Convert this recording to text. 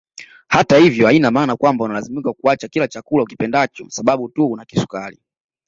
Hata hivyo haina maana kwamba unalazimika kuacha kila chakula ukipendacho sababu tu una kisukari